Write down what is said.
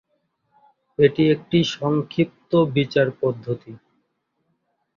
এটি একটি সংক্ষিপ্ত বিচার পদ্ধতি।